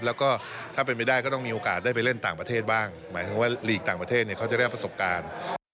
แล้วก็ถ้าเป็นไปได้ก็ต้องมีโอกาสได้ไปเล่นต่างประเทศบ้างหมายถึงว่าลีกต่างประเทศเนี่ยเขาจะได้ประสบการณ์